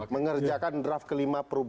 mengerjakan draft kelima